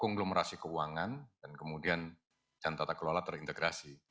konglomerasi keuangan dan kemudian dan tata kelola terintegrasi